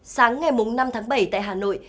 sáng ngày bốn tháng bảy tại hà nội